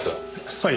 はい。